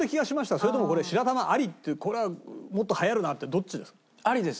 それともこれ白玉ありってこれはもっと流行るなってどっちですか？